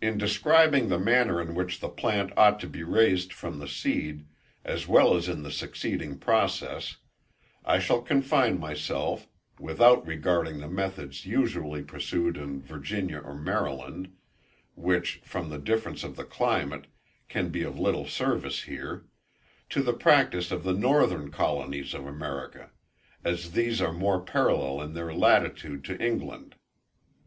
In describing the manner in which the plant ought to be raised from the seed, as well as in the succeeding process, I shall confine myself (without regarding the methods usually pursued in Virginia or Maryland, which, from the difference of the climate, can be of little service here) to the practice of the northern colonies of America; as these are more parallel in their latitude to England.